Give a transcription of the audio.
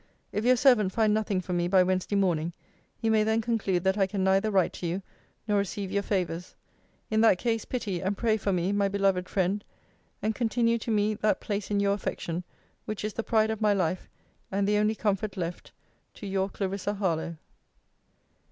If your servant find nothing from me by Wednesday morning, you may then conclude that I can neither write to you, nor receive your favours. In that case, pity and pray for me, my beloved friend; and continue to me that place in your affection, which is the pride of my life, and the only comfort left to Your CL. HARLOWE.